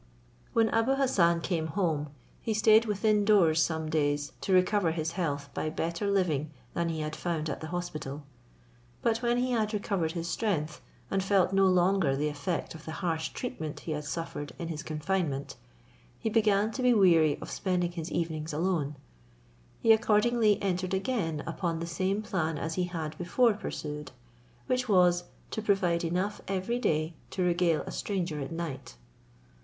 When Abou Hassan came home, he stayed within doors some days to recover his health by better living than he had found at the hospital. But when he had recovered his strength, and felt no longer the effect of the harsh treatment he had suffered in his confinement, he began to be weary of spending his evenings alone. He accordingly entered again upon the same plan as he had before pursued; which was, to provide enough every day to regale a stranger at night.